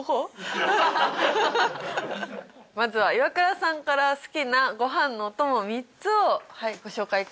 まずはイワクラさんから好きなご飯のお供３つをご紹介ください。